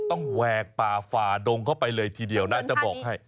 แหวกป่าฝ่าดงเข้าไปเลยทีเดียวนะจะบอกให้